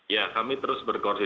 ya kami terus berkomunikasi